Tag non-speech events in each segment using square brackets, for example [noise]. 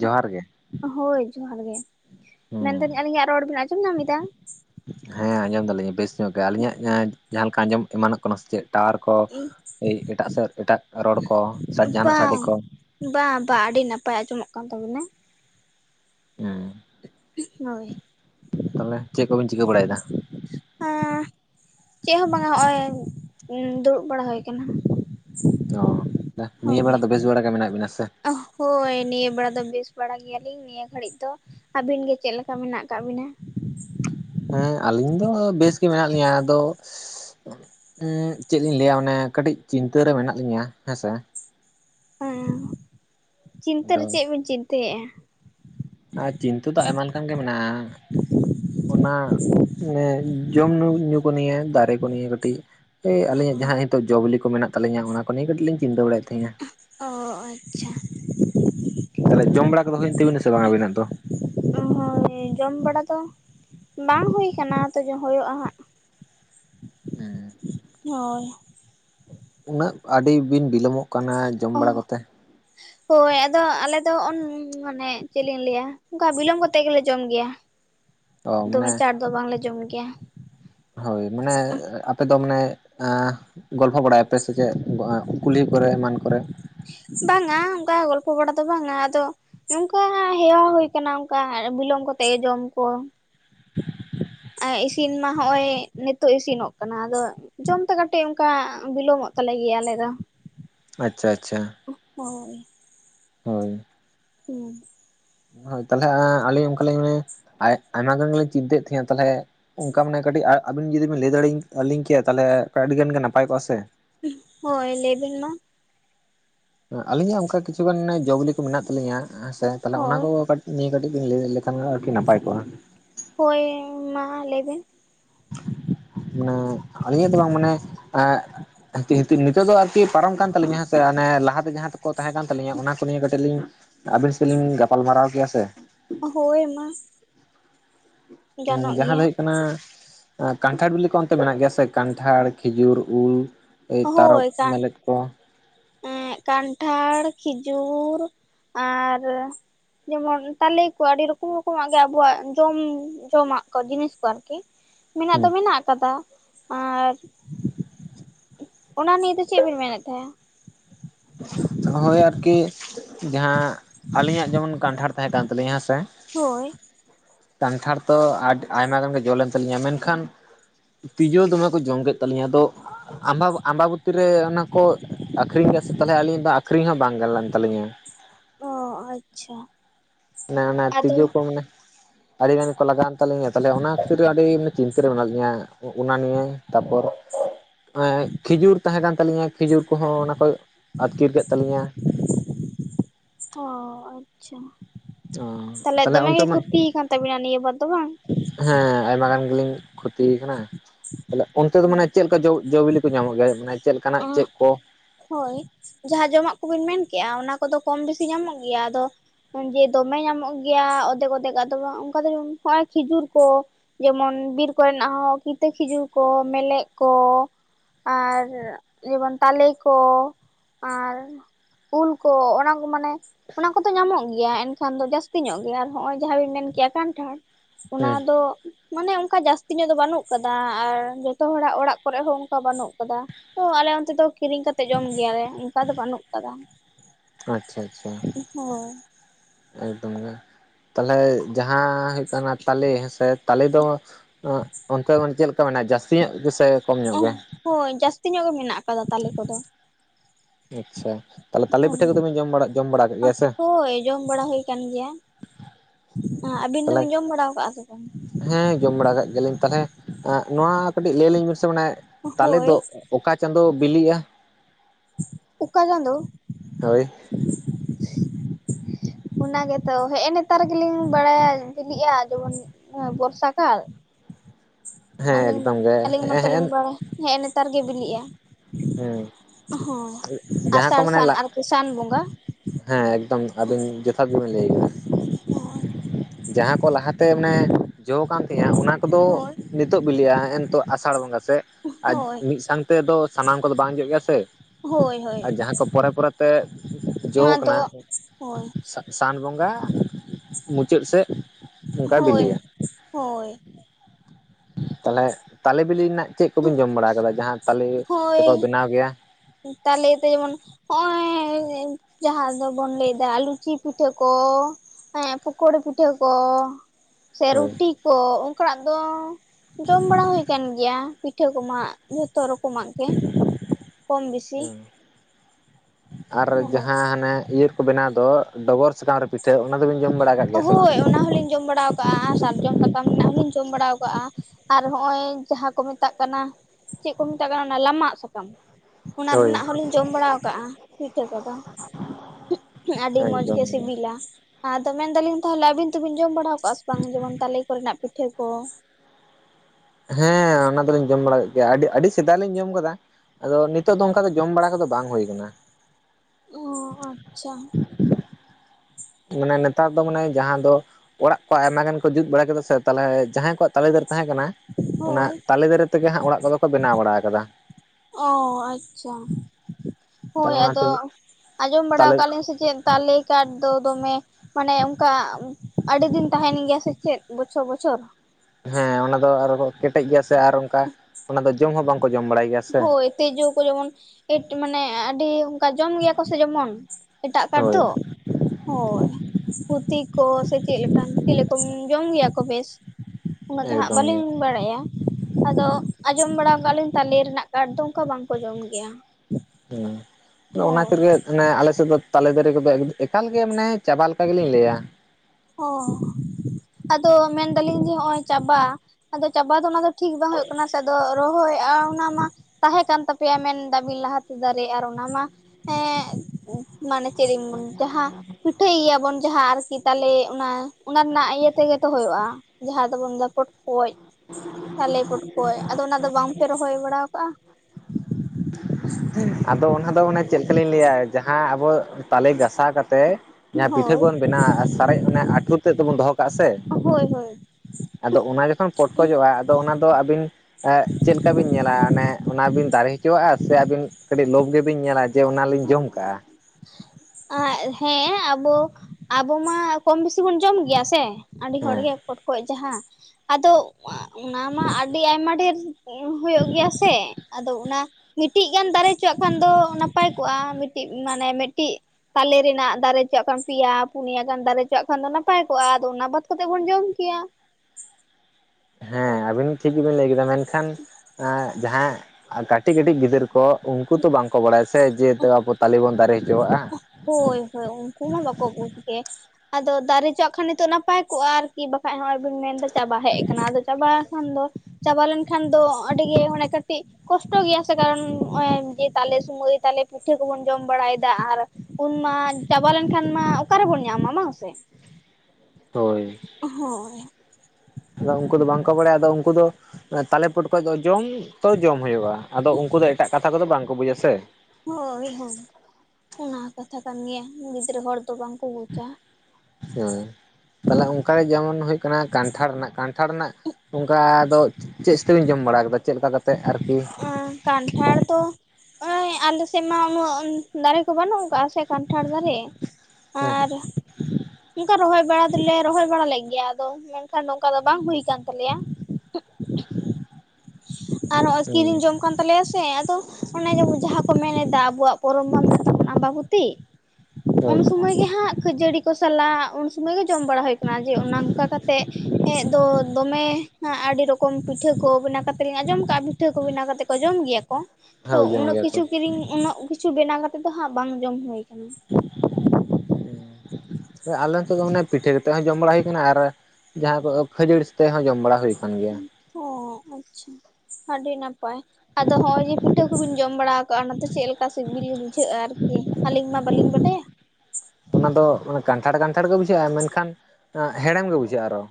ᱡᱚᱦᱟᱨ ᱜᱮ, ᱦᱳᱭ ᱡᱚᱦᱟᱨ ᱜᱮ ᱢᱮᱱᱫᱟᱞᱤᱧ ᱦᱩᱸ ᱟᱹᱞᱤᱧᱟᱜ ᱨᱚᱲ ᱵᱤᱱ ᱟᱸᱡᱚᱢ ᱧᱟᱢ ᱮᱫᱟ? ᱦᱮᱸ ᱟᱸᱡᱚᱢ ᱫᱟᱞᱤᱧ ᱵᱮᱥ ᱧᱚᱜ ᱜᱮ ᱟᱹᱞᱤᱧᱟᱜ ᱡᱟᱦᱟᱸ ᱡᱟᱦᱟᱸ ᱞᱮᱠᱟ ᱟᱸᱡᱚᱢ ᱮᱢᱟᱱᱚᱜ ᱠᱟᱱᱟ ᱥᱮ ᱪᱮᱫ ᱴᱟᱣᱟᱨ ᱠᱚ ᱮᱭ ᱮᱴᱟᱜ ᱥᱮᱫ ᱮᱴᱟᱜ ᱨᱚᱲ ᱠᱚ ᱡᱟᱦᱟᱱᱟᱜ ᱥᱟᱰᱮ ᱠᱚ, ᱵᱟᱸ ᱵᱟᱸ ᱟᱹᱰᱤ ᱱᱟᱯᱟᱭ ᱟᱸᱡᱚᱢᱚᱜ ᱠᱟᱱ ᱛᱟᱵᱤᱱᱟ᱾ ᱦᱩᱸ᱾ ᱦᱳᱭ᱾ ᱛᱟᱦᱚᱞᱮ ᱪᱮᱫ ᱠᱚᱵᱤᱱ ᱪᱤᱠᱟᱹ ᱵᱟᱲᱟᱭᱫᱟ? ᱟ ᱪᱮᱫ ᱦᱚᱸ ᱵᱟᱝᱟ ᱦᱚᱜ-ᱚᱭ ᱫᱩᱲᱩᱵ ᱵᱟᱲᱟ ᱦᱳᱭ ᱠᱟᱱᱟ᱾ ᱚ ᱛᱟᱦᱚᱞᱮ ᱱᱤᱭᱟᱹ ᱵᱮᱲᱟ ᱫᱚ ᱵᱮᱥ ᱵᱮᱲᱟ ᱜᱮ ᱢᱮᱱᱟᱜ ᱵᱤᱱᱟ ᱥᱮ, ᱦᱳᱭ ᱱᱤᱭᱟᱹ ᱵᱮᱲᱟ ᱫᱚ ᱵᱮᱥ ᱵᱟᱲᱟ ᱜᱮᱭᱟᱞᱤᱧ ᱱᱤᱭᱟᱹ ᱜᱷᱟᱹᱲᱤᱡ ᱫᱚ᱾ ᱟᱹᱵᱤᱱ ᱜᱮ ᱪᱮᱫ ᱞᱮᱠᱟ ᱢᱮᱱᱟᱜ ᱠᱟᱜ ᱵᱤᱱᱟᱹ? ᱦᱮᱸ ᱟᱹᱞᱤᱧ ᱫᱚ ᱦᱚᱜ-ᱚᱭ ᱵᱮᱥ ᱜᱮ ᱢᱮᱱᱟᱜ ᱞᱤᱧᱟ ᱟᱫᱚ, ᱩᱸ ᱪᱮᱫ ᱞᱤᱧ ᱞᱟᱹᱭᱟ ᱚᱱᱮ ᱠᱟᱹᱴᱤᱡ ᱪᱤᱱᱛᱟᱹ ᱨᱮ ᱢᱮᱱᱟᱜ ᱞᱤᱧᱟᱹ ᱦᱮᱸᱥᱮ, ᱦᱮᱸ ᱪᱤᱱᱛᱟᱹ ᱨᱮ ᱟᱫᱚ ᱪᱮᱫ ᱵᱤᱱ ᱪᱤᱱᱛᱟᱹᱭᱮᱜ-ᱟ? ᱟᱨ ᱪᱤᱱᱛᱟᱹ ᱫᱚ ᱟᱭᱢᱟ ᱞᱮᱠᱟᱱ ᱜᱮ ᱢᱮᱱᱟᱜ-ᱟ᱾ ᱚᱱᱟ ᱚᱱᱮ ᱡᱚᱢ ᱧᱩ ᱠᱚ ᱱᱤᱭᱮ ᱫᱟᱨᱮ ᱠᱚ ᱱᱤᱭᱮ ᱠᱟᱹᱴᱤᱡ ᱮᱭ ᱟᱞᱤᱧᱟᱜ ᱡᱟᱦᱟᱸ, ᱱᱤᱛᱚᱜ ᱡᱚ ᱵᱞᱤ ᱠᱚ ᱢᱮᱱᱟᱜ ᱛᱟᱹᱞᱤᱧᱟ ᱚᱱᱟ ᱠᱚ ᱱᱤᱭᱟᱹ ᱠᱟᱹᱴᱤᱡ ᱞᱤᱧ ᱪᱤᱱᱛᱟᱹ ᱵᱟᱲᱟᱭᱮᱫ ᱛᱟᱦᱮᱭᱜ-ᱟ᱾ ᱚᱻ ᱟᱪᱪᱷᱟ᱾ ᱛᱟᱦᱚᱞᱮ ᱡᱚᱢ ᱵᱟᱲᱟ ᱠᱚᱫᱚ ᱦᱩᱭᱮᱱ ᱛᱟᱹᱵᱮᱱᱟ ᱥᱮ ᱵᱟᱝ ᱟᱵᱤᱱᱟᱜ ᱫᱚ? ᱳᱭ ᱡᱚᱢ ᱵᱟᱲᱟ ᱫᱚ, ᱵᱟᱝ ᱦᱩᱭ ᱠᱟᱱᱟ ᱛᱚ ᱦᱩᱭᱩᱜᱼᱟ ᱦᱟᱸᱜ᱾ ᱦᱮᱸᱻ ᱦᱳᱭᱻ ᱩᱱᱟᱹᱜ ᱟᱹᱰᱤ ᱵᱤᱱ ᱵᱤᱞᱚᱢᱚᱜ ᱠᱟᱱᱟ ᱡᱚᱢ ᱵᱟᱲᱟ ᱠᱚᱛᱮ᱾ ᱦᱳᱭ ᱟᱫᱚ ᱟᱞᱮ ᱫᱚ ᱩᱸᱻ ᱢᱟᱱᱮ ᱪᱮᱫ ᱞᱤᱧ ᱞᱟᱹᱭᱟ ᱚᱱᱠᱟ ᱵᱤᱞᱚᱢ ᱠᱟᱛᱮ ᱜᱮᱞᱮ ᱡᱚᱢ ᱜᱮᱭᱟ᱾ ᱚ ᱢᱟᱱᱮ ᱫᱚᱢᱮ ᱪᱟᱲ ᱫᱚ ᱵᱟᱝᱞᱮ ᱡᱚᱢ ᱜᱮᱭᱟ᱾ ᱦᱳᱭ ᱢᱟᱱᱮᱻ ᱟᱯᱮᱫᱚ ᱢᱟᱱᱮ ᱮᱸᱻ ᱜᱚᱞᱯᱷᱚ ᱵᱟᱲᱟᱭᱟᱯᱮ ᱥᱮᱪᱮᱫ ᱠᱩᱞᱦᱤ ᱠᱚᱨᱮ ᱮᱢᱟᱱ ᱠᱚᱨᱮ? ᱵᱟᱝᱼᱟ, ᱚᱱᱠᱟ ᱜᱚᱞᱯᱚ ᱵᱟᱚᱲᱟ ᱫᱚ ᱵᱟᱝᱟ ᱟᱫᱚ ᱱᱚᱝᱠᱟ ᱦᱮᱣᱟ ᱦᱩᱭ ᱠᱟᱱᱟ ᱚᱱᱠᱟ ᱵᱤᱞᱚᱢ ᱠᱟᱛᱮᱜ ᱡᱚᱢ ᱠᱚ᱾ [inaudible] ᱤᱥᱤᱱ ᱢᱟ ᱦᱚᱜᱼᱚᱭ ᱱᱤᱛᱚᱜ ᱤᱥᱤᱱᱚᱜ ᱠᱟᱱᱟ ᱟᱫᱚᱼᱼ ᱡᱚᱢᱛᱮ ᱠᱟᱹᱴᱤᱡ ᱚᱱᱠᱟ ᱵᱤᱞᱚᱢᱚᱜ ᱛᱟᱞᱮ ᱜᱮᱭᱟ ᱟᱞᱮ ᱫᱚ᱾ ᱟᱪᱪᱷᱟ ᱟᱪᱪᱷᱟ᱾ ᱦᱳᱭ᱾ ᱦᱳᱭ᱾ ᱦᱩᱸ᱾ ᱦᱳᱭ ᱛᱟᱦᱚᱞᱮᱻ ᱟᱹᱞᱤᱧ ᱚᱱᱠᱟ ᱞᱤᱧ ᱟᱭᱢᱟ ᱜᱟᱱ ᱜᱤᱞᱤᱧ ᱪᱤᱱᱛᱟᱹ ᱭᱮᱫ ᱛᱟᱦᱮᱸᱱᱟ ᱛᱟᱦᱚᱞᱮ ᱚᱱᱠᱟ ᱢᱟᱱᱮ ᱠᱟᱹᱴᱤᱡ ᱟᱹ ᱟᱵᱤᱱ ᱡᱩᱫᱤ ᱵᱤᱱ ᱞᱟᱹᱭ ᱫᱟᱲᱮ ᱟᱹᱞᱤᱧ ᱠᱮᱭᱟ ᱛᱟᱦᱚᱞᱮ ᱟᱹᱰᱤ ᱜᱟᱱ ᱜᱮ ᱱᱟᱯᱟᱭ ᱠᱚᱜᱼᱟ ᱥᱮ᱾ ᱦᱳᱭ ᱞᱟᱹᱭᱵᱮᱱ ᱢᱟ ᱟᱹᱞᱤᱧᱟᱜ ᱚᱱᱠᱟ ᱠᱤᱪᱷᱩᱜᱟᱱ ᱡᱚ ᱵᱤᱞᱤ ᱠᱚ ᱢᱮᱱᱟᱜ ᱛᱟᱹᱧᱟ ᱦᱮᱸ ᱥᱮ, ᱛᱟᱦᱚᱞᱮ ᱚᱱᱟ ᱦᱳᱭ ᱠᱚ ᱠᱟᱹᱴᱼᱼ ᱱᱤᱭᱟᱹ ᱠᱟᱴᱤᱡ ᱵᱤᱱ ᱞᱟᱹᱭ ᱞᱮᱠᱷᱟᱱ ᱟᱨᱠᱤ ᱱᱟᱯᱟᱭ ᱠᱚᱜ-ᱟ᱾ ᱦᱳᱭᱻ ᱢᱟ ᱞᱟᱹᱭᱵᱤᱱ᱾ ᱢᱟᱱᱮ ᱟᱹᱞᱤᱧᱟᱜ ᱫᱚ ᱵᱟᱝ ᱢᱟᱱᱮ ᱮᱜ ᱱᱤᱛᱚᱜ ᱫᱚ ᱟᱨᱠᱤ ᱯᱟᱨᱚᱢ ᱠᱟᱱ ᱛᱟᱹᱞᱤᱧᱟ ᱦᱮᱸ ᱥᱮ ᱚᱱᱮ ᱞᱟᱦᱟᱛᱮ ᱡᱟᱦᱟᱸ ᱛᱮᱠᱚ ᱛᱟᱦᱮᱸ ᱠᱟᱱ ᱛᱟᱹᱞᱤᱧᱟ ᱚᱱᱟ ᱱᱤᱭᱮ ᱠᱟᱹᱴᱤᱡ ᱞᱤᱧ ᱟᱹᱵᱤᱱ ᱥᱮᱫ ᱞᱤᱧ ᱜᱟᱯᱟᱞᱢᱟᱨᱟᱣ ᱠᱮᱭᱟ ᱥᱮ᱾ ᱦᱳᱭ ᱢᱟ᱾ ᱩᱸ ᱜᱟᱱᱚᱜ ᱡᱟᱦᱟᱸ ᱫᱚ ᱜᱮᱭᱟ ᱦᱳᱭᱳᱜ ᱠᱟᱱᱟ, ᱠᱟᱱᱴᱷᱟᱲ ᱵᱤᱞᱤ ᱠᱚ ᱚᱱᱛᱮ ᱢᱮᱱᱟᱜ ᱜᱮᱭᱟ ᱥᱮ? ᱠᱟᱱᱴᱷᱟᱲ, ᱠᱷᱤᱡᱩᱨ, ᱩᱞ, ᱮᱭ ᱛᱟᱨᱚᱚᱵ, ᱢᱮᱱᱞᱮᱫ ᱠᱚ᱾ ᱮᱸᱜ ᱠᱟᱱᱴᱷᱟᱲ, ᱠᱷᱤᱡᱩᱨ ᱟᱨᱻ ᱡᱮᱢᱚᱱ ᱛᱟᱞᱮ ᱠᱚ ᱟᱹᱰᱤ ᱨᱚᱠᱚᱢ ᱨᱚᱠᱚᱢᱟᱜ ᱜᱮ ᱟᱵᱚᱣᱟᱜ ᱡᱚᱢ ᱡᱚᱢᱟᱜ ᱠᱚ ᱡᱤᱱᱤᱥ ᱠᱚ ᱟᱨᱠᱤ ᱢᱮᱱᱟᱜ ᱫᱚ ᱦᱮᱸ ᱢᱮᱱᱟᱜ ᱟᱠᱟᱫᱟ ᱟᱨᱼᱼ ᱚᱱᱟ ᱱᱤᱭᱮ ᱫᱚ ᱪᱮᱫ ᱵᱤᱱ ᱢᱮᱱᱮᱫ ᱛᱟᱦᱮᱸᱱᱟ? ᱦᱳᱭ ᱟᱨᱠᱤ, ᱡᱟᱦᱟᱸ ᱟᱹᱞᱤᱧᱟᱜ ᱡᱮᱢᱚᱱ ᱠᱟᱱᱴᱷᱟᱲ ᱛᱟᱦᱮᱸ ᱠᱟᱱ ᱛᱟᱞᱤᱧ ᱦᱮᱸ ᱥᱮᱼᱼ ᱦᱳᱭ᱾ ᱠᱟᱱᱴᱷᱟᱲ ᱫᱚ ᱟᱹᱰᱤ ᱟᱭᱢᱟ ᱜᱟᱱ ᱜᱮ ᱡᱚ ᱞᱮᱱ ᱛᱟᱞᱤᱧᱟ ᱢᱮᱱᱠᱷᱟᱱᱼ ᱛᱤᱡᱳ ᱫᱚᱢᱮ ᱠᱚ ᱡᱚᱢ ᱠᱮᱫ ᱛᱟᱞᱤᱧᱟ ᱟᱫᱚᱼ ᱟᱢᱵᱟ ᱟᱢᱵᱟᱵᱚᱛᱤ ᱨᱮ ᱚᱱᱟᱠᱚ ᱟᱠᱷᱨᱤᱧ ᱠᱟᱼᱼ ᱥᱮ ᱛᱟᱦᱚᱞᱮ ᱟᱹᱞᱤᱧ ᱫᱚ ᱟᱹᱠᱷᱨᱤᱧ ᱦᱚᱸ ᱵᱟᱝ ᱜᱟᱱ ᱞᱮᱱ ᱛᱟᱞᱤᱧᱟ᱾ ᱚᱻ ᱟᱪᱪᱷᱟ᱾ ᱚᱱᱮ ᱚᱱᱟ ᱟᱫᱚ ᱛᱤᱡᱩ ᱠᱚ ᱢᱮᱟᱱᱮ ᱟᱹᱰᱤᱜᱟᱱ ᱠᱚ ᱞᱟᱜᱟᱣᱮᱱ ᱛᱟᱞᱤᱧᱟ ᱛᱟᱞᱮ ᱚᱱᱟ ᱠᱷᱟᱹᱛᱤᱨ ᱟᱹᱰᱤ ᱢᱟᱱᱮ ᱪᱤᱱᱛᱟᱹ ᱨᱮ ᱢᱮᱱᱟᱜ ᱞᱤᱧᱟᱹ ᱾ ᱚᱱᱟ ᱱᱤᱭᱮ ᱛᱟᱨᱯᱚᱨᱼᱼ [inaudible] ᱠᱷᱤᱡᱩᱨ ᱛᱟᱦᱮᱸ ᱠᱟᱱ ᱛᱟᱞᱤᱧᱟ ᱠᱷᱤᱡᱩᱨ ᱠᱚᱦᱚᱸ ᱚᱱᱟ ᱠᱚ ᱟᱹᱛᱠᱤᱨ ᱠᱮᱫ ᱛᱟᱞᱤᱧᱟ ᱾ [inaudible] ᱚ ᱟᱪᱪᱷᱟ ᱚ ᱾ ᱛᱟᱞᱮᱜ ᱛᱟᱦᱚᱞᱮ ᱫᱚᱢᱮ ᱚᱱᱛᱮ ᱜᱮ ᱢᱟ ᱠᱷᱩᱛᱤ ᱠᱟᱱ ᱛᱟᱵᱤᱱᱟ ᱱᱤᱭᱟᱹ ᱵᱟᱨ ᱫᱚ ᱵᱟᱝ? ᱦᱮᱸ ᱟᱭᱢᱟ ᱜᱟᱱ ᱜᱮᱞᱤᱧ ᱠᱷᱚᱛᱤ ᱠᱟᱱᱟ [unintelligible] ᱚᱱᱛᱮ ᱫᱚ ᱢᱟᱱᱮ ᱪᱮᱞ ᱪᱮᱜ ᱠᱟ ᱡᱚ ᱡᱚᱵᱤᱞᱤ ᱠᱚ ᱧᱟᱢᱚᱜ ᱜᱮᱭᱟ ᱢᱟᱱᱮ ᱪᱮᱜ ᱞᱮᱠᱟᱱᱟᱜ ᱪᱮᱜ ᱠᱚ ᱦᱳᱭ ᱡᱟᱦᱟᱸ ᱡᱚᱢᱟᱜ ᱠᱚᱵᱤᱱ ᱢᱮᱱᱠᱮᱜᱼᱟ ᱚᱱᱟ ᱠᱚᱫᱚ ᱠᱚᱢ ᱵᱮᱥᱤ ᱧᱟᱢᱚᱜ ᱜᱮᱭᱟ ᱟᱫᱚ ᱥᱚᱱᱡᱮ ᱡᱮ ᱫᱚᱢᱮ ᱧᱟᱢᱚᱜ ᱜᱮᱭᱟ ᱚᱫᱮᱠ ᱚᱫᱮᱠ ᱟᱫᱚ ᱵᱟᱝ ᱚᱱᱠᱟ ᱫᱚ [unintelligible] ᱦᱚᱜᱼᱚᱭ ᱠᱷᱤᱡᱩᱨ ᱠᱚ ᱾ ᱡᱮᱢᱚᱱ ᱵᱤᱨ ᱠᱚᱨᱮᱱᱟᱜ ᱦᱚᱸ ᱠᱤᱛᱟᱹ ᱠᱷᱤᱡᱩᱨ ᱠᱚ ᱢᱮᱞᱮᱜ ᱠᱚ ᱾ ᱟᱨ ᱡᱮᱢᱚᱱ ᱛᱟᱞᱮ ᱠᱚ ᱟᱨ ᱩᱞ ᱠᱚ ᱚᱱᱟ ᱠᱚ ᱢᱟᱱᱮ ᱚᱱᱟ ᱠᱚᱫᱚ ᱧᱟᱢᱚᱜ ᱜᱮᱭᱟ ᱮᱱᱠᱷᱟᱱ ᱫᱚ ᱡᱟᱹᱥᱛᱤ ᱧᱚᱜ ᱜᱮ ᱦᱚᱜᱼᱚᱭ ᱡᱟᱦᱟᱸ ᱵᱤᱱ ᱢᱮᱱ ᱠᱮᱭᱟ ᱠᱟᱱᱴᱷᱟᱲ ᱾ ᱚᱱᱟ ᱦᱮᱸ ᱫᱚ ᱢᱟᱱᱮ ᱚᱝᱠᱟ ᱡᱟᱹᱥᱛᱤ ᱧᱚᱜ ᱫᱚ ᱵᱟᱹᱱᱩᱜ ᱠᱟᱫᱟ ᱟᱨ ᱡᱷᱚᱛᱚ ᱦᱚᱲᱟᱜ ᱚᱲᱟᱜ ᱠᱚᱨᱮ ᱦᱚᱸ ᱚᱱᱠᱟ ᱵᱟᱹᱱᱩᱜ ᱠᱟᱫᱟ ᱾ ᱛᱚ ᱟᱞᱮ ᱚᱱᱛᱮ ᱫᱚ ᱠᱤᱨᱤᱧ ᱠᱟᱛᱮᱜ ᱡᱚᱢ ᱜᱮᱭᱟᱞᱮ ᱩᱝᱠᱟ ᱫᱚ ᱵᱟᱹᱱᱩᱜ ᱠᱟᱫᱟ ᱾ ᱟᱪᱪᱷᱟ ᱟᱪᱪᱷᱟ ᱮᱠᱫᱚᱢ ᱜᱮ ᱾ ᱛᱟᱞᱦᱮ ᱡᱟᱦᱟᱸ ᱦᱩᱭᱩᱜ ᱠᱟᱱᱟ ᱛᱟᱞᱮ ᱦᱮᱸ ᱥᱮ ᱛᱟᱞᱮ ᱫᱚ [inaudible] ᱚᱱᱛᱮ ᱜᱚᱱ ᱪᱮᱜ ᱞᱮᱠᱟ ᱢᱮᱱᱟᱜᱼᱟ ᱡᱟᱹᱥᱛᱤ ᱧᱚᱜ ᱜᱮᱥᱮᱼᱼ [unintelligible] ᱦᱳᱭ ᱡᱟᱹᱥᱛᱤ ᱧᱚᱜ ᱜᱮ ᱢᱮᱱᱟᱜ ᱟᱠᱟᱫᱟ ᱛᱟᱞᱮ ᱠᱚᱫᱚ ᱾ ᱟᱪᱪᱷᱟ ᱛᱟᱞᱮ ᱛᱟᱞᱮ ᱦᱳᱭ ᱯᱤᱴᱷᱟᱹ ᱠᱚᱫᱚ ᱵᱮᱱ ᱡᱚᱢ ᱵᱟᱲᱟ ᱾ ᱡᱚᱢ ᱵᱟᱲᱟ ᱜᱮᱫ [inaudible] ᱦᱳᱭ ᱡᱚᱢ ᱵᱟᱲᱟ ᱦᱩᱭ ᱠᱟᱱ ᱜᱮᱭᱟ᱾ ᱟᱸ ᱟᱹᱵᱤᱱ ᱛᱟᱦᱚᱞᱮ ᱫᱚᱵᱤᱱ ᱡᱚᱢ ᱵᱟᱲᱟ ᱠᱟᱣ ᱥᱮ ᱵᱟᱝ? ᱦᱮᱸ ᱡᱚᱢ ᱵᱟᱲᱟ ᱠᱟᱜ ᱜᱮᱭᱟᱞᱤᱧ, ᱛᱟᱞᱦᱮ ᱱᱚᱣᱟ ᱠᱟᱹᱴᱤᱡ ᱞᱟᱹᱭ ᱟᱹᱞᱤᱧ ᱵᱤᱱ ᱥᱮ ᱢᱟᱱᱮ ᱛᱟᱞᱮ ᱦᱳᱭ ᱫᱚ ᱚᱠᱟ ᱪᱟᱸᱫᱳ ᱵᱤᱞᱤᱜᱼᱟ? [inaudible] ᱩᱠᱟ ᱪᱟᱸᱫᱳ? ᱦᱳᱭ ᱾ ᱚᱱᱟ ᱜᱮᱛᱚ ᱦᱮᱜ ᱱᱮᱛᱟᱨ ᱜᱮᱞᱤᱧ ᱵᱟᱲᱟᱭᱟ ᱵᱤᱞᱤᱜᱼᱟ ᱡᱮᱢᱚᱱ ᱵᱚᱨᱥᱟ ᱠᱟᱞ ᱾ ᱦᱮᱸ ᱟᱹᱞᱤᱧ ᱮᱠᱫᱚᱢ ᱜᱮ ᱟᱹᱞᱤᱧ ᱦᱮᱸ ᱢᱟᱛᱚ ᱦᱮᱸ ᱞᱤᱧ ᱵᱟᱲᱟᱭ ᱦᱮᱸᱜᱼᱮ ᱱᱮᱛᱟᱨ ᱜᱮ ᱵᱤᱞᱤᱜᱼᱟ ᱦᱮᱸ ᱾ [inaudible] ᱦᱚᱸ ᱡᱟᱦᱟᱸ ᱠᱚ ᱟᱥᱟᱲ ᱢᱟᱱᱮ ᱥᱟᱱ ᱞᱟᱜ ᱟᱨᱠᱤ ᱥᱟᱱ ᱵᱚᱸᱜᱟ ᱾ ᱦᱮᱸ ᱮᱠᱫᱚᱢ ᱟᱹᱵᱤᱱ ᱡᱚᱛᱷᱟᱛ ᱜᱮ ᱵᱤᱱ ᱞᱮᱭ ᱠᱟᱫᱟ ᱾ [inaudible] ᱡᱟᱦᱟᱸ ᱠᱚ ᱞᱟᱦᱟᱛᱮ ᱚᱱᱮ ᱡᱚ ᱠᱟᱱ ᱛᱤᱧᱟᱹ ᱚᱱᱟ ᱠᱚᱫᱚ ᱦᱳᱭ ᱱᱤᱛᱚᱜ ᱵᱤᱞᱤᱜᱼᱟ ᱮᱱ ᱛᱳᱜ ᱟᱥᱟᱲ ᱵᱚᱸᱜᱟ ᱥᱮᱜ ᱟᱨ ᱦᱳᱭ ᱦᱳᱭ ᱢᱤᱫ ᱥᱟᱝ ᱛᱮᱫᱚ ᱥᱟᱱᱟᱢ ᱠᱚᱫᱚ ᱵᱟᱝ ᱡᱚᱜ ᱜᱮᱭᱟ ᱥᱮ ᱦᱳᱭ ᱦᱳᱭ ᱾ ᱟᱨ ᱡᱟᱦᱟᱸ ᱠᱚ ᱯᱚᱨᱮ ᱯᱚᱨᱮᱛᱮ ᱡᱚ ᱚᱱᱟ ᱫᱚ ᱠᱟᱱᱟ ᱦᱳᱭ ᱥᱟᱱ ᱵᱚᱸᱜᱟ ᱪᱟᱹᱜ ᱥᱮᱜ ᱦᱳᱭ ᱦᱳᱭ ᱾ ᱛᱟᱞᱦᱮᱜ ᱛᱟᱞᱮ ᱵᱤᱞᱤ ᱱᱟᱜ ᱪᱮᱜ ᱠᱚᱵᱤᱱ ᱡᱚᱢ ᱵᱟᱲᱟ ᱠᱟᱫᱟ, ᱡᱟᱦᱟᱸ ᱛᱟᱞᱮ ᱛᱮᱠᱚ ᱦᱳᱭ ᱵᱮᱱᱟᱣ ᱜᱮᱭᱟ? ᱛᱟᱞᱮ ᱛᱮ ᱡᱮᱢᱚᱱ ᱦᱚᱜ ᱚᱭ ᱡᱟᱦᱟᱸ ᱫᱚᱵᱚᱱ ᱞᱮᱭᱫᱟ ᱟᱞᱩ ᱪᱤᱯ ᱯᱤᱴᱷᱟᱹ ᱠᱚ ᱾ ᱮᱸ ᱯᱳᱠᱳᱲᱤ ᱯᱤᱴᱷᱟᱹ ᱠᱚ ᱾ ᱥᱮ ᱦᱳᱭ ᱨᱩᱴᱤ ᱠᱚ, ᱚᱝᱠᱟᱱᱟᱜ ᱫᱚ, ᱡᱚᱢ ᱵᱟᱲᱟ ᱦᱳᱭ ᱠᱟᱱ ᱜᱮᱭᱟ ᱯᱤᱴᱼᱼ ᱴᱷᱟᱹ ᱠᱚᱢᱟ ᱡᱷᱚᱛᱚ ᱨᱚᱠᱚᱢᱟᱜ ᱜᱮ ᱠᱚᱢ ᱵᱤᱥᱤ ᱟᱨ ᱡᱟᱦᱟᱸ ᱦᱟᱱᱮ ᱤᱭᱟᱹ ᱨᱮᱠᱚ ᱵᱮᱱᱟᱣ ᱟᱨ ᱟᱨ ᱡᱟᱸᱦᱟ ᱦᱟᱱᱮ ᱤᱭᱟᱹ ᱨᱮᱠᱚ ᱵᱮᱱᱟᱣ ᱫᱚ, ᱰᱚᱜᱚᱨ ᱥᱟᱠᱟᱢ ᱨᱮ ᱯᱤᱴᱷᱟᱹ ᱚᱱᱟ ᱫᱚᱵᱤᱱ ᱡᱚᱢ ᱵᱟᱲᱟ ᱠᱟᱫ ᱜᱮᱭᱟ ᱥᱮ ᱵᱟᱝ? ᱦᱳᱭ ᱚᱱᱟ ᱦᱚᱸᱞᱤᱧ ᱡᱚᱢ ᱵᱟᱲᱟ ᱠᱟᱜᱼᱟ, ᱥᱟᱨᱡᱚᱢ ᱥᱟᱠᱟᱢ ᱨᱮᱱᱟᱜ ᱦᱚᱞᱤᱧ ᱡᱚᱢ ᱵᱟᱲᱟ ᱠᱟᱜᱼᱟ ᱾ ᱟᱨ ᱦᱚᱸᱜᱼᱚᱭ ᱡᱟᱦᱟᱸ ᱠᱚ ᱢᱮᱛᱟᱜ ᱠᱟᱱᱟ ᱪᱮᱫ ᱠᱚ ᱢᱮᱛᱟᱜ ᱠᱟᱱᱟ ᱚᱱᱟ ᱞᱟᱢᱟᱜ ᱥᱟᱠᱟᱢ ᱚᱱᱟ ᱦᱳᱭ ᱨᱮᱱᱟᱜ ᱦᱚᱞᱤᱧ ᱡᱚᱢ ᱵᱟᱲᱟ ᱠᱟᱜᱼᱟ ᱯᱤᱴᱷᱟᱹ ᱠᱚᱫᱚ ᱾ ᱦᱩᱸᱜ ᱦᱮᱸ ᱟᱹᱰᱤ ᱢᱚᱸᱡᱽ ᱜᱮ ᱥᱤᱵᱤᱞᱟ ᱾ ᱛᱚ ᱢᱮᱱᱫᱟᱞᱤᱧ ᱛᱟᱦᱚᱞᱮ ᱟᱹᱵᱤᱱ ᱛᱚᱵᱤᱱ ᱡᱚᱢ ᱵᱟᱲᱟ ᱠᱟᱜᱼᱟ ᱥᱮ ᱵᱟᱝ ᱡᱮᱢᱚᱱ ᱛᱟᱞᱮ ᱠᱚᱨᱮᱱᱟᱜ ᱯᱤᱴᱷᱟᱹ ᱠᱚ? ᱦᱮᱸ ᱚᱱᱟ ᱫᱚᱞᱤᱧ ᱡᱚᱢ ᱵᱟᱲᱟ ᱠᱮᱫ ᱜᱮᱭᱟ ᱟᱹᱰᱤ ᱟᱹᱰᱤ ᱥᱮᱫᱟᱭ ᱞᱤᱧ ᱡᱚᱢ ᱠᱟᱫᱟ᱾ ᱟᱫᱚ ᱱᱤᱛᱚᱜ ᱫᱚ ᱚᱱᱠᱟ ᱫᱚ ᱡᱚᱢ ᱵᱟᱲᱟ ᱠᱚᱫᱚ ᱵᱟᱝ ᱦᱩᱭ ᱠᱟᱱᱟ ᱾ ᱚᱻ ᱟᱪᱪᱷᱟ ᱾ ᱢᱟᱱᱮ ᱱᱮᱛᱟᱨ ᱫᱚ ᱢᱟᱱᱮ ᱡᱟᱦᱟᱸ ᱫᱚ ᱚᱲᱟᱜ ᱠᱚ ᱟᱭᱢᱟ ᱜᱟᱱ ᱠᱚ ᱡᱩᱛ ᱵᱟᱲᱟ ᱠᱮᱫᱟ ᱥᱮ ᱛᱟᱦᱚᱞᱮ ᱡᱟᱦᱟᱸᱭ ᱠᱚᱣᱟᱜ ᱛᱟᱞᱮ ᱫᱟᱨᱮ ᱛᱟᱦᱮᱸ ᱠᱟᱱᱟ, ᱚᱱᱟ ᱦᱳᱭ ᱛᱟᱞᱮ ᱫᱟᱨᱮ ᱛᱮᱜᱮ ᱦᱟᱸᱜ ᱚᱲᱟᱜ ᱠᱚᱫᱚ ᱠᱚ ᱵᱮᱱᱟᱣ ᱵᱟᱲᱟ ᱠᱟᱫᱟ ᱾ ᱚ ᱟᱪᱪᱷᱟ, ᱦᱳᱭ ᱛᱟᱦᱚᱞᱮ ᱚᱱᱟᱛᱮ ᱟᱫᱚ ᱟᱸᱡᱚᱢ ᱵᱟᱲᱟ ᱛᱟᱞᱮ ᱠᱟᱫ ᱞᱤᱧ ᱥᱮ ᱪᱮᱫ ᱛᱟᱞᱮ ᱠᱟᱴ ᱫᱚ ᱫᱚᱢᱮ, ᱢᱟᱱᱮ ᱚᱝᱠᱟ ᱟᱹᱰᱤ ᱫᱤᱱ ᱛᱟᱦᱮᱸᱱ ᱜᱮᱭᱟ ᱥᱮ ᱪᱮᱫ ᱵᱚᱪᱷᱚᱨ ᱵᱚᱪᱷᱚᱨ? ᱦᱮᱸ ᱚᱱᱟ ᱫᱚ ᱟᱨᱚᱵᱚ ᱠᱮᱴᱮᱡ ᱜᱮᱭᱟ ᱥᱮ ᱟᱨ ᱚᱝᱠᱟ ᱚᱱᱟ ᱫᱚ ᱡᱚᱢ ᱦᱚᱸ ᱵᱟᱝᱠᱚ ᱡᱚᱢ ᱵᱟᱲᱟᱭ ᱜᱮᱭᱟ ᱥᱮ ᱦᱳᱭ ᱛᱮᱡᱳ ᱠᱚ ᱡᱮᱢᱚᱱ ᱮᱴ ᱢᱟᱱᱮ ᱟᱰᱤ ᱚᱝ ᱠᱟ ᱡᱚᱢ ᱜᱮᱭᱟ ᱠᱚ ᱥᱮ ᱡᱮᱢᱚᱱ, ᱮᱴᱟᱜ ᱠᱟᱴ ᱦᱳᱭ ᱫᱚ? ᱦᱳᱭ ᱦᱩᱛᱤ ᱠᱚ ᱥᱮ ᱪᱮᱫ ᱞᱮᱠᱟᱱ ᱪᱮᱞᱮ ᱠᱚ ᱡᱚᱢ ᱜᱮᱭᱟ ᱠᱚ ᱵᱮᱥ, ᱩᱱᱟᱹᱜ ᱫᱚ ᱦᱟᱸᱜ ᱮᱠᱫᱚᱢ ᱵᱟᱞᱤᱧ ᱵᱟᱲᱟᱭᱟ, ᱟᱫᱚ ᱟᱸᱡᱚᱢ ᱵᱟᱲᱟ ᱠᱟᱜ ᱟᱞᱤᱧ ᱛᱟᱞᱮ ᱨᱮᱱᱟᱜ ᱠᱟᱴ ᱫᱚ ᱚᱱᱠᱟ ᱵᱟᱝᱠᱚ ᱡᱚᱢ ᱜᱮᱭᱟ ᱾ ᱦᱩᱸ ᱛᱚ ᱚᱱᱟ ᱠᱷᱟᱛᱤᱨ ᱜᱮ ᱢᱟᱱᱮ ᱟᱞᱮᱥᱮᱫ ᱫᱚ ᱛᱟᱞᱮ ᱫᱟᱨᱮ ᱠᱚᱫᱚ ᱮᱠᱟᱞ ᱜᱮ ᱢᱟᱱᱮ ᱪᱟᱵᱟ ᱞᱮᱠᱟ ᱜᱮᱞᱤᱧ ᱞᱟᱹᱭᱟ ᱾ ᱚ ᱟᱫᱚ ᱢᱮᱱᱫᱟᱞᱤᱧ ᱡᱮ ᱦᱚᱸᱜᱼᱚᱭ ᱪᱟᱵᱟ ᱟᱫᱚ ᱪᱟᱵᱟ ᱫᱚ ᱚᱱᱟ ᱫᱚ ᱴᱷᱤᱠ ᱵᱟᱝ ᱦᱳᱭᱳᱜ ᱠᱟᱱᱟ ᱥᱮ, ᱟᱫᱚ ᱨᱚᱦᱚᱭᱼᱟ ᱚᱱᱟ ᱢᱟ ᱛᱟᱦᱮᱸ ᱠᱟᱱ ᱛᱟᱯᱮᱭᱟ ᱢᱮᱱᱫᱟᱵᱤᱱ ᱞᱟᱦᱟᱛᱮ ᱫᱟᱨᱮ ᱟᱨ ᱚᱱᱟ ᱢᱟ ᱮᱸᱜ ᱢᱟᱱᱮ ᱪᱮᱫ ᱤᱧ ᱵᱚᱱ ᱡᱟᱦᱟᱸ ᱯᱤᱴᱷᱟᱹᱭ ᱜᱮᱭᱟᱵᱚᱱ ᱡᱟᱦᱟᱸ ᱟᱨᱠᱤ ᱛᱟᱦᱚᱞᱮ ᱚᱱᱟ ᱚᱱᱟ ᱨᱮᱱᱟᱜ ᱤᱭᱟᱹ ᱛᱮᱜᱮ ᱫᱚ ᱦᱩᱭᱩᱜᱼᱟ ᱡᱟᱦᱟᱸ ᱫᱚ ᱫᱟᱯᱚᱴ ᱠᱚᱡ ᱛᱟᱞᱮ ᱯᱚᱴᱠᱚᱡ ᱟᱫᱚ ᱚᱱᱟ ᱫᱚ ᱵᱟᱝᱯᱮ ᱨᱚᱦᱚᱭ ᱵᱟᱲᱟᱣ ᱠᱟᱜᱼᱟ? ᱟᱫᱚ ᱚᱱᱟ ᱫᱚ ᱢᱟᱱᱮ ᱪᱮᱫ ᱞᱮᱠᱟᱞᱤᱧ ᱞᱟᱹᱭᱟ ᱡᱟᱦᱟᱸ ᱟᱵᱚ ᱛᱟᱞᱮ ᱜᱟᱥᱟᱣ ᱠᱟᱛᱮ ᱡᱟᱦᱟᱸ ᱯᱤᱴᱷᱟᱹ ᱦᱳᱭ ᱠᱚᱵᱚᱱ ᱵᱮᱱᱟᱣᱟ ᱟ ᱥᱟᱨᱮᱡ ᱚᱱᱟᱚᱱ ᱟᱹᱷᱩᱨ ᱛᱮᱫ ᱛᱮᱵᱚᱱ ᱫᱚᱦᱚ ᱠᱟᱜᱼᱟ ᱥᱮ? ᱦᱳᱭ ᱦᱳᱭ ᱟᱫᱚ ᱚᱱᱟ ᱡᱚᱠᱷᱚᱱ ᱯᱚᱴᱠᱚᱡᱚᱜᱼᱟ ᱟᱫᱚ ᱚᱱᱟᱫᱚ ᱟᱹᱵᱤᱱ ᱮᱸᱜ ᱪᱮᱫᱞᱮᱠᱟ ᱵᱤᱱ ᱧᱮᱞᱟ ᱚᱱᱮ ᱚᱱᱟ ᱵᱤᱱ ᱫᱟᱨᱮ ᱦᱚᱪᱚᱣᱟᱜᱼᱟ ᱥᱮ ᱟᱹᱵᱤᱱ ᱠᱟᱹᱴᱤᱡ ᱞᱳᱵ ᱜᱮᱵᱤᱱ ᱧᱮᱞᱟ ᱡᱮ ᱚᱱᱟᱞᱤᱧ ᱡᱚᱢ ᱠᱟᱜᱼᱟ᱾ ᱟ ᱦᱮᱸ ᱟᱵᱚ ᱟᱵᱚ ᱢᱟ ᱠᱚᱢ ᱵᱮᱥᱤ ᱵᱚᱱ ᱡᱚᱢ ᱜᱮᱭᱟ ᱥᱮ, ᱟᱹᱰᱤ ᱦᱮᱸ ᱦᱚᱲᱜᱮ ᱯᱚᱴᱠᱚᱡ ᱡᱟᱦᱟᱸ ᱟᱫᱚ ᱚᱱᱟ ᱢᱟ ᱟᱹᱰᱤ ᱟᱭᱢᱟ ᱰᱷᱮᱨ ᱦᱳᱭᱳᱜ ᱜᱮᱭᱟ ᱥᱮ ᱟᱫᱚ ᱚᱱᱟ ᱢᱤᱫᱴᱤᱡ ᱜᱟᱱ ᱫᱟᱨᱮ ᱦᱚᱪᱚᱣᱟᱜ ᱠᱷᱟᱱ ᱫᱚ ᱱᱟᱯᱟᱭ ᱠᱚᱜᱼᱟ ᱢᱤᱫᱴᱤᱡ ᱢᱟᱱᱮ ᱢᱤᱫᱴᱤᱡ ᱛᱟᱞᱮ ᱨᱮᱱᱟᱜ ᱫᱟᱨᱮ ᱪᱚᱣᱟᱜ ᱠᱷᱟᱱ ᱯᱮᱭᱟ ᱯᱩᱱᱭᱟ ᱜᱟᱱ ᱫᱟᱨᱮ ᱪᱚᱣᱟᱜ ᱠᱷᱟᱱ ᱫᱚ ᱱᱟᱯᱟᱭ ᱠᱚᱜᱼᱟ ᱟᱫᱚ ᱚᱱᱟ ᱵᱟᱫ ᱠᱟᱛᱮᱫ ᱵᱚᱱ ᱡᱚᱢ ᱠᱮᱭᱟ᱾ ᱦᱮᱸ ᱟᱵᱤᱱ ᱴᱷᱤᱠ ᱜᱮᱵᱤᱱ ᱞᱟᱹᱭ ᱠᱮᱫᱟ ᱢᱮᱱᱠᱷᱟᱱ ᱮᱸᱜ ᱡᱟᱦᱟᱸ ᱠᱟᱹᱴᱤᱡ ᱠᱟᱹᱴᱤᱡ ᱜᱤᱫᱟᱹᱨ ᱠᱚ ᱩᱱᱠᱩ ᱛᱚ ᱵᱟᱝ ᱠᱚ ᱵᱟᱲᱟᱭᱟ ᱥᱮ ᱡᱮ ᱛᱚ ᱟᱵᱚ ᱛᱟᱞᱮ ᱵᱚᱱ ᱫᱟᱨᱮ ᱦᱚᱪᱚᱣᱟᱜᱼᱟ᱾ ᱦᱳᱭ ᱦᱳᱭ ᱩᱱᱠᱩ ᱢᱟ ᱵᱟᱠᱚ ᱵᱩᱡ ᱜᱮ, ᱟᱫᱚ ᱫᱟᱨᱮ ᱦᱚᱪᱚᱣᱟᱜ ᱠᱷᱟᱱ ᱱᱤᱛᱚᱜ ᱱᱟᱯᱟᱭ ᱠᱚᱜᱼᱟ᱾ ᱠᱤ ᱵᱟᱠᱷᱟᱡ ᱦᱚᱸᱜᱼᱚᱭ ᱵᱤᱱ ᱢᱮᱱᱫᱟ ᱪᱟᱵᱟ ᱦᱮᱡ ᱠᱟᱱᱟ ᱟᱫᱚ ᱪᱟᱵᱟ ᱠᱷᱟᱱ ᱫᱚ ᱪᱟᱵᱟ ᱞᱮᱱᱠᱷᱟᱱ ᱫᱚ ᱟᱹᱰᱤ ᱜᱮ ᱢᱟᱱᱮ ᱠᱟᱹᱴᱤᱡ ᱠᱚᱥᱴᱚ ᱜᱮᱭᱟ ᱥᱮ ᱠᱟᱨᱚᱱ ᱱᱚᱸᱜᱼᱚᱭ ᱡᱮ ᱛᱟᱞᱮ ᱥᱚᱢᱚᱭ ᱯᱤᱴᱷᱟᱹ ᱠᱚᱵᱚᱱ ᱡᱚᱢ ᱵᱟᱲᱟᱭᱫᱟ ᱟᱨ ᱩᱱ ᱢᱟ ᱪᱟᱵᱟ ᱞᱮᱱᱠᱷᱟᱱ ᱢᱟ ᱚᱠᱟᱨᱮᱵᱚᱱ ᱧᱟᱢᱟ ᱵᱟᱝ ᱥᱮ᱾ ᱦᱳᱭ᱾ ᱦᱳᱭ᱾ ᱟᱫᱚ ᱩᱱᱠᱩ ᱫᱚ ᱵᱟᱝᱠᱚ ᱵᱟᱲᱟᱭᱟ ᱟᱫᱚ ᱩᱱᱠᱩ ᱫᱚ ᱛᱟᱞᱮ ᱯᱩᱚᱴᱡ ᱫᱚ ᱡᱚᱢ ᱛᱚ ᱡᱚᱢ ᱦᱩᱭᱩᱜᱼᱟ ᱟᱫᱚ ᱩᱱᱠᱩ ᱫᱚ ᱮᱴᱟᱜ ᱠᱟᱛᱷᱟ ᱠᱚᱫᱚ ᱵᱟᱝᱠᱚ ᱵᱩᱡᱟ ᱥᱮ᱾ ᱦᱳᱭ ᱦᱳᱭ ᱚᱱᱟ ᱠᱟᱛᱷᱟ ᱠᱟᱱ ᱜᱮᱭᱟ ᱜᱤᱫᱽᱨᱟᱹ ᱦᱚᱲ ᱫᱚ ᱵᱟᱝᱠᱚ ᱵᱩᱡᱟ᱾ ᱦᱳᱭ ᱛᱟᱦᱚᱞᱮ ᱚᱱᱠᱟ ᱡᱮᱢᱚᱱ ᱦᱩᱭᱩᱜ ᱠᱟᱱᱟ ᱠᱟᱱᱴᱷᱟᱲ ᱨᱮᱱᱟᱜ ᱠᱟᱱᱴᱷᱟᱲ ᱨᱮᱱᱟᱜ ᱚᱱᱠᱟ ᱫᱚ ᱪᱮᱫ ᱥᱮᱛᱮᱵᱤᱧ ᱡᱚᱢ ᱵᱟᱲᱟ ᱟᱠᱟᱫᱟ ᱪᱮᱫ ᱞᱮᱠᱟ ᱠᱟᱛᱮᱫ ᱟᱨᱠᱤ᱾ ᱦᱩᱸ ᱠᱟᱱᱴᱷᱟᱲ ᱫᱚ ᱟᱞᱮ ᱥᱮᱫ ᱢᱟ ᱩᱱᱟᱹᱜ ᱫᱟᱨᱮ ᱠᱚ ᱵᱟᱹᱱᱩᱜ ᱟᱠᱟᱜᱟ ᱥᱮ ᱠᱟᱱᱴᱷᱟᱲ ᱫᱟᱨᱮ᱾ ᱦᱮᱸ ᱟᱨ ᱚᱱᱠᱟ ᱨᱚᱦᱚᱭ ᱵᱟᱲᱟ ᱫᱚᱞᱮ ᱨᱚᱦᱚᱭ ᱵᱟᱲᱟ ᱞᱮᱫ ᱜᱮᱭᱟ ᱟᱫᱚ ᱢᱮᱱᱠᱷᱟᱱ ᱱᱚᱝᱠᱟ ᱫᱚ ᱵᱟᱝ ᱦᱩᱭ ᱠᱟᱱ ᱛᱟᱞᱮᱭᱟ᱾ [unintelligible] ᱟᱨ ᱚᱜᱚᱭ ᱦᱩᱸ ᱠᱤᱨᱤᱧ ᱡᱚᱢ ᱠᱟᱱ ᱛᱟᱞᱮᱭᱟ᱾ ᱥᱮ ᱟᱫᱚ ᱚᱱᱮ ᱡᱮᱚᱱ ᱡᱟᱦᱟᱸ ᱠᱚ ᱢᱮᱱᱮᱫᱟ ᱟᱵᱚᱣᱟᱜ ᱯᱚᱨᱚᱵ ᱵᱟᱝ ᱛᱟᱵᱚᱱ ᱟᱸᱵᱟᱵᱚᱛᱤ ᱩᱱ ᱦᱳᱭ ᱥᱚᱢᱚᱭ ᱜᱮ ᱦᱟᱸᱜ ᱠᱷᱟᱹᱡᱟᱹᱲᱤ ᱠᱚ ᱥᱟᱞᱟᱜ ᱩᱱ ᱩᱱ ᱥᱢᱚᱭ ᱜᱮ ᱡᱚᱢ ᱵᱟᱲᱟ ᱦᱩᱭ ᱟᱠᱟᱱᱟ ᱡᱮ ᱚᱱᱠᱟ ᱠᱟ ᱠᱟᱛᱮᱫ ᱫᱚ ᱫᱚᱢᱮ ᱦᱮᱸ ᱟᱹᱰᱤ ᱨᱚᱠᱚᱢ ᱯᱤᱴᱷᱟᱹ ᱠᱚ ᱵᱮᱱᱟ ᱠᱟᱛᱮᱞᱤᱧ ᱟᱸᱡᱚᱢ ᱠᱟᱜᱼᱟ ᱵᱤ ᱯᱤᱴᱷᱟᱹ ᱠᱚ ᱵᱮᱱᱟᱣ ᱠᱟᱛᱮ ᱠᱚ ᱡᱚᱢ ᱜᱮᱭᱟ ᱠᱚ ᱛᱚ ᱦᱳᱭ ᱡᱚᱢ ᱩᱱᱟᱹᱜ ᱜᱮᱭᱟ ᱠᱚ ᱠᱤᱪᱷᱩ ᱠᱤᱨᱤᱧ ᱩᱱᱟᱹᱜ ᱠᱤᱪᱷᱩ ᱵᱮᱱᱟᱣ ᱠᱟᱛᱮᱜ ᱫᱚ ᱦᱟᱸᱜ ᱵᱟᱝ ᱡᱚᱢ ᱦᱩᱭ ᱟᱠᱟᱱᱟ᱾ ᱟᱞᱮ ᱚᱱᱛᱮ ᱫᱚ ᱢᱟᱱᱮ ᱯᱤᱴᱷᱟᱹ ᱠᱟᱛᱮᱫ ᱦᱚᱸ ᱡᱚᱢ ᱵᱟᱲᱟ ᱦᱩᱭᱠᱟᱱᱟ ᱟᱨ ᱡᱟᱦᱟᱸ ᱠᱚ ᱠᱷᱟᱹᱡᱟᱹᱲᱤ ᱥᱟᱛᱮᱜ ᱦᱚᱸ ᱡᱚᱢ ᱵᱟᱲᱟ ᱦᱩᱭ ᱟᱠᱟᱱ ᱜᱮᱭᱟ᱾ ᱚ ᱟᱪᱪᱷᱟ ᱟᱹᱰᱤ ᱱᱟᱯᱟᱭ᱾ ᱟᱫᱚ ᱦᱚᱜᱼᱚᱭ ᱡᱮ ᱯᱤᱴᱷᱟᱹ ᱠᱚᱵᱤᱱ ᱡᱚᱢ ᱵᱟᱲᱟ ᱟᱠᱟᱫᱟ ᱚᱱᱟᱛᱮ ᱪᱮᱫ ᱞᱮᱠᱟ ᱥᱤᱵᱤᱞ ᱵᱩᱡᱷᱟᱹᱜᱼᱟ ᱟᱨᱠᱤ ᱟᱹᱞᱤᱧ ᱢᱟ ᱵᱟᱹᱞᱤᱧ ᱵᱟᱰᱟᱭᱟ᱾ ᱚᱱᱟ ᱫᱚ ᱢᱟᱱᱮ ᱠᱟᱱᱴᱷᱟᱲ ᱠᱟᱱᱴᱷᱟᱲ ᱜᱮ ᱵᱩᱡᱷᱟᱹᱜᱼᱟ ᱢᱮᱱᱠᱷᱟᱱ ᱦᱮᱲᱮᱢ ᱜᱮ ᱵᱩᱡᱷᱟᱹᱜᱼᱟ ᱟᱨᱦᱚᱸ᱾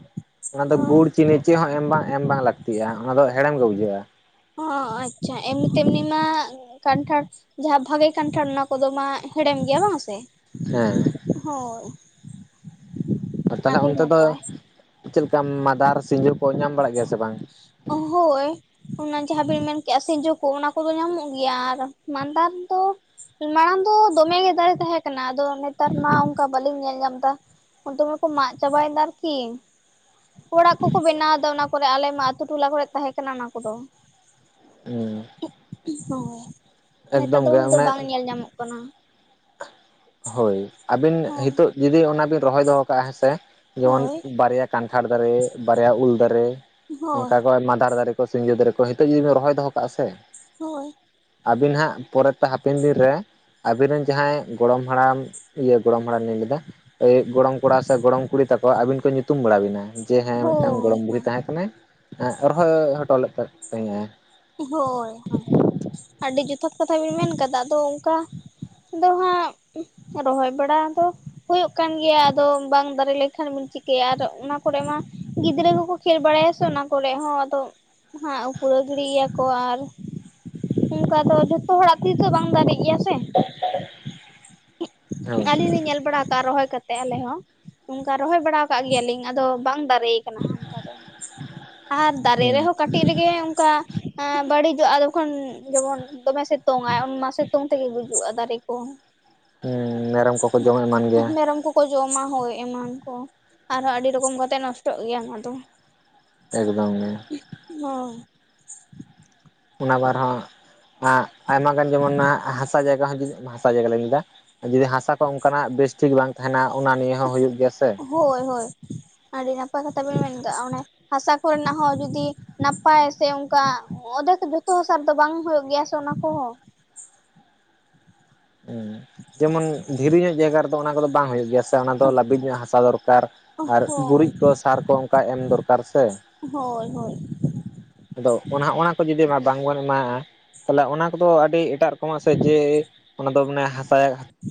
ᱚᱱᱟ ᱫᱚ ᱜᱩᱲ ᱪᱤᱱᱤ ᱪᱮᱫ ᱦᱚᱸ ᱮᱢ ᱵᱟᱝ ᱮᱢ ᱵᱟᱝ ᱞᱟᱹᱠᱛᱤᱜᱼᱟ ᱚᱱᱟ ᱫᱚ ᱦᱮᱲᱮᱢ ᱜᱮ ᱵᱩᱡᱷᱟᱹᱜᱼᱟ᱾ ᱚᱸ ᱟᱪᱪᱷᱟ ᱮᱢᱱᱤ ᱛᱮᱢᱱᱤ ᱢᱟ ᱠᱟᱱᱴᱷᱟᱲ ᱡᱟᱦᱟᱸ ᱵᱷᱟᱜᱮ ᱠᱟᱱᱴᱷᱟᱲ ᱚᱱᱟ ᱠᱚᱫᱚ ᱢᱟ ᱦᱮᱲᱮᱢ ᱜᱮᱭᱟ ᱵᱟᱝ ᱥᱮ᱾ ᱦᱮᱸ᱾ ᱦᱳᱭ᱾ ᱛᱟᱦᱞᱮ ᱟᱹᱰᱤ ᱚᱱᱛᱮ ᱫᱚ ᱱᱟᱯᱟᱭ ᱪᱮᱫ ᱞᱮᱠᱟ, ᱢᱟᱫᱟᱨ ᱥᱤᱸᱡᱳ ᱠᱚ ᱧᱟᱢ ᱵᱟᱲᱟᱜ ᱜᱮᱭᱟ ᱥᱮ ᱵᱟᱝ? ᱦᱳᱭ᱾ ᱚᱱᱟ ᱡᱟᱦᱟᱸ ᱵᱤᱱ ᱢᱮᱱ ᱠᱮᱜᱼᱟ ᱥᱤᱸᱡᱩ ᱠᱚ ᱚᱱᱟ ᱠᱚᱫᱚ ᱧᱟᱢᱚᱜ ᱜᱮᱭᱟ ᱟᱨ ᱢᱟᱸᱫᱟᱨ ᱫᱚ ᱢᱟᱲᱟᱝ ᱫᱚ ᱫᱚᱢᱮ ᱜᱮ ᱫᱟᱨᱮ ᱛᱟᱦᱮᱸ ᱠᱟᱱᱟ ᱟᱫᱚ ᱱᱮᱛᱟᱨ ᱢᱟ ᱚᱱᱠᱟ ᱵᱟᱞᱤᱧ ᱧᱮᱞ ᱧᱟᱢ ᱫᱟ, ᱚᱱᱛᱮ ᱢᱟ ᱠᱚ ᱢᱟᱜ ᱪᱟᱵᱟᱭ ᱫᱟ ᱟᱨᱠᱤ᱾ ᱚᱲᱟᱜ ᱠᱚᱠᱚ ᱵᱮᱱᱟᱣᱫᱟ ᱚᱱᱟ ᱠᱚᱨᱮ ᱟᱞᱮ ᱢᱟ ᱟᱹᱛᱩ ᱴᱚᱞᱟ ᱠᱚᱨᱮᱜ ᱛᱟᱦᱮᱸ ᱠᱟᱱᱟ ᱚᱱᱟ ᱠᱚᱫᱚ᱾ ᱦᱩᱸ᱾ ᱦᱳᱭ, ᱱᱮᱛᱟᱨ ᱫᱚ ᱮᱠᱫᱚᱢ ᱜᱮ ᱩᱱᱟᱹᱜ ᱫᱚ ᱚᱱᱮ ᱵᱟᱝ ᱧᱮᱞ ᱧᱟᱢᱚᱜ ᱠᱟᱱᱟ᱾ ᱦᱳᱭ ᱟᱹᱵᱤᱱ ᱦᱳᱭ ᱦᱤᱛᱳᱜ ᱡᱩᱫᱤ ᱚᱱᱟ ᱵᱤᱱ ᱨᱚᱦᱚᱭ ᱫᱚᱦᱚ ᱠᱟᱜᱼᱟ ᱦᱮᱸᱥᱮ᱾ ᱡᱮᱢᱚᱱ ᱦᱳᱭ ᱵᱟᱨᱭᱟ ᱠᱟᱱᱴᱷᱟᱲ ᱫᱟᱨᱮ, ᱵᱟᱨᱭᱟ ᱩᱞ ᱫᱟᱨᱮ, ᱦᱳᱭ ᱚᱱᱠᱟ ᱠᱚ ᱢᱟᱸᱫᱟᱨ ᱫᱟᱨᱮ ᱥᱤᱸᱡᱚ ᱫᱟᱨᱮ ᱠᱚ ᱦᱤᱛᱚᱜ ᱡᱩᱫᱤ ᱵᱮᱱ ᱨᱚᱦᱚᱭ ᱫᱚᱦᱚ ᱠᱟᱜᱼᱟ ᱥᱮ ᱦᱳᱭ᱾ ᱟᱵᱤᱱ ᱦᱟᱸᱜ ᱯᱚᱨᱮᱛᱮ ᱦᱟᱯᱮᱱ ᱫᱤᱱ ᱨᱮ ᱟᱵᱤᱱ ᱨᱮᱱ ᱡᱟᱦᱟᱸᱭ ᱜᱚᱲᱚᱢ ᱦᱟᱲᱟᱢ ᱤᱭᱟᱹ ᱜᱚᱲᱚᱢ ᱦᱟᱲᱟᱢ ᱞᱤᱧ ᱞᱟᱹᱭᱫᱟ ᱮᱭ ᱜᱚᱲᱚᱢ ᱠᱚᱲᱟ ᱥᱮ ᱜᱚᱲᱚᱢ ᱠᱩᱲᱤ ᱛᱟᱠᱚ ᱟᱹᱵᱤᱱ ᱠᱚ ᱧᱩᱛᱩᱢ ᱵᱟᱲᱟ ᱵᱤᱱᱟ᱾ ᱡᱮ ᱦᱮᱸ ᱢᱤᱫᱴᱟᱝ ᱦᱳᱭ ᱜᱚᱲᱚᱢ ᱵᱩᱲᱦᱤ ᱦᱳᱭ ᱛᱟᱦᱮᱸ ᱠᱟᱱᱟᱭ ᱮᱸᱜ ᱨᱚᱷᱚᱭ ᱦᱚᱴᱚ ᱞᱮᱫ ᱛᱟᱦᱮᱸ-ᱟᱭ᱾ ᱦᱳᱭ ᱦᱳᱭ᱾ ᱟᱹᱰᱤ ᱡᱚᱛᱷᱟᱛ ᱠᱟᱛᱷᱟ ᱵᱤᱱ ᱢᱮᱱ ᱠᱟᱫᱟ ᱟᱫᱚ ᱠᱟ ᱫᱚ ᱦᱟᱸᱜ ᱨᱚᱦᱚᱭ ᱵᱟᱲᱟ ᱫᱚ ᱦᱩᱭᱩᱜ ᱠᱟᱱ ᱜᱮᱭᱟ ᱟᱫᱚ ᱵᱟᱝ ᱫᱟᱨᱮ ᱞᱮᱠᱷᱟᱱ ᱵᱤᱱ ᱪᱤᱠᱟᱹᱭᱟ ᱟᱨ ᱚᱱᱟ ᱠᱚᱨᱮ ᱢᱟ ᱜᱤᱫᱽᱨᱟᱹ ᱠᱚᱠᱚ ᱠᱷᱮᱞ ᱵᱟᱲᱟᱭᱟ ᱥᱮ ᱚᱱᱟ ᱠᱚᱨᱮᱜ ᱦᱚᱸ ᱟᱫᱚ ᱦᱟᱸᱜ ᱩᱯᱲᱟᱹ ᱭᱟᱠᱚ ᱟᱨ ᱚᱝᱠᱟ ᱫᱚ ᱡᱷᱚᱛᱚ ᱦᱚᱲᱟᱜ ᱛᱤᱥ ᱛᱮᱦᱚᱸ ᱵᱟᱝ ᱫᱟᱨᱮᱜ ᱜᱮᱭᱟ ᱥᱮ᱾ [inaudible] ᱦᱳᱭ ᱟᱹᱞᱤᱧ ᱞᱤᱧ ᱧᱮᱞ ᱵᱟᱲᱟᱣ ᱠᱟᱜᱼᱟ ᱨᱚᱦᱚᱭ ᱠᱟᱛ ᱛᱮ ᱟᱞᱮ ᱦᱚᱸ ᱚᱱᱠᱟ ᱨᱚᱦᱚᱭ ᱵᱟᱲᱟᱣ ᱠᱟᱜ ᱜᱮᱭᱟᱞᱤᱧ ᱟᱫᱚ ᱵᱟᱝ ᱫᱟᱨᱮᱭ ᱠᱟᱱᱟ ᱚᱱᱠᱟ ᱫᱚ ᱟᱨ ᱫᱟᱨᱮ ᱦᱩᱸ ᱨᱮᱦᱚᱸ ᱠᱟᱹᱴᱤᱡ ᱨᱮᱜᱮ ᱚᱱᱠᱟ ᱮᱸ ᱵᱟᱹᱲᱤᱡᱚᱜᱼᱟ ᱡᱚᱠᱷᱚᱱ ᱡᱮᱢᱚᱱ ᱫᱚᱢᱮ ᱥᱤᱛᱩᱝ ᱟᱭ, ᱩᱱ ᱢᱟ ᱥᱤᱛᱩᱝ ᱛᱮᱜᱮ ᱜᱩᱡᱩᱜᱼᱟ ᱫᱟᱨᱮ ᱠᱚᱦᱚᱸ᱾ ᱩᱸ ᱢᱮᱨᱚᱢ ᱠᱚᱠᱚ ᱡᱚᱢ ᱮᱢᱟᱱ ᱜᱮᱭᱟ᱾ ᱠᱚ ᱡᱚᱢᱟ ᱦᱳᱭ ᱮᱢᱟᱱ ᱠᱚ ᱟᱨᱦᱚᱸ ᱟᱹᱰᱤ ᱨᱚᱠᱚᱢ ᱠᱟᱛᱮᱫ ᱱᱚᱥᱴᱚᱜ ᱜᱮᱭᱟ ᱚᱱᱟ ᱫᱚ᱾ ᱮᱠᱫᱚᱢ ᱜᱮ᱾ ᱦᱚ᱾ ᱚᱱᱟ ᱵᱟᱨ ᱦᱚᱸ ᱟᱜ ᱟᱭᱢᱟ ᱜᱟᱱ ᱡᱮᱢᱚᱱ ᱦᱟᱸᱜ ᱦᱟᱥ ᱦᱟᱥᱟ ᱡᱟᱭᱜᱟ ᱦᱚᱸ ᱡᱩᱛᱩᱜ ᱢᱟ ᱦᱟᱥᱟ ᱡᱟᱭᱜᱟ ᱞᱮ ᱞᱟᱹᱭ ᱫᱟ, ᱡᱩᱫᱤ ᱦᱟᱥᱟ ᱠᱚ ᱚᱱᱠᱟᱱᱟᱜ ᱵᱮᱥ ᱴᱷᱤᱠ ᱵᱟᱝ ᱛᱟᱦᱮᱱᱟ ᱚᱱᱟ ᱱᱤᱭᱮ ᱦᱚᱸ ᱦᱩᱭᱩᱜ ᱜᱮᱭᱟ ᱥᱮ᱾ ᱦᱳᱭ ᱦᱳᱭ ᱟᱹᱰᱤ ᱱᱟᱯᱟᱭ ᱠᱟᱛᱷᱟ ᱵᱮᱱ ᱢᱮᱱ ᱠᱟᱜ-ᱟ ᱢᱟᱱᱮ ᱦᱟᱥᱟ ᱠᱚᱨᱮᱱᱟᱜ ᱦᱚᱸ ᱡᱩᱫᱤ ᱱᱟᱯᱟᱭ ᱥᱮ ᱚᱱᱠᱟ ᱚᱫᱷᱮᱠ ᱡᱷᱚᱛᱚ ᱦᱟᱥᱟ ᱨᱮᱫᱚ ᱵᱟᱝ ᱦᱩᱭᱩᱜ ᱜᱮᱭᱟ ᱥᱮ ᱚᱱᱟ ᱠᱚᱦᱚᱸ᱾ ᱦᱩᱸ ᱡᱮᱢᱚᱱ ᱫᱷᱤᱨᱤ ᱧᱚᱜ ᱡᱟᱭᱜᱟ ᱨᱮᱫᱚ ᱚᱱᱟ ᱠᱚᱫᱚ ᱵᱟᱝ ᱦᱩᱭᱩᱜ ᱜᱮᱭᱟ᱾ ᱥᱮ ᱚᱱᱟ ᱫᱚ ᱞᱟᱹᱵᱤᱫ ᱧᱚᱜ ᱦᱟᱥᱟ ᱫᱚᱨᱠᱟᱨ ᱟᱨ ᱜᱩᱨᱤᱡ ᱦᱳᱭ ᱠᱚ ᱥᱟᱨ ᱠᱚ ᱚᱱᱠᱟ ᱮᱢ ᱫᱚᱨᱠᱟᱨ ᱥᱮ᱾ ᱦᱳᱭ ᱦᱳᱭ᱾ ᱟᱫᱚ ᱚᱱᱟ ᱦᱚᱜᱼᱚᱱᱟ ᱠᱚ ᱡᱩᱫᱤ ᱵᱟᱝᱵᱚᱱ ᱮᱢᱟᱣᱟᱜ-ᱟ ᱛᱟᱦᱞᱮ ᱚᱱᱟ ᱠᱚᱫᱚ ᱟᱹᱰᱤ ᱮᱴᱟᱜ ᱨᱚᱠᱚᱢᱟᱜ ᱥᱮ ᱡᱮ ᱚᱱᱟ ᱫᱚ ᱢᱟᱱᱮ ᱦᱟᱥᱟ